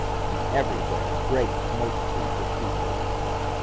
And everywhere great multitudes of people.